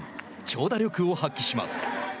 長打力を発揮します。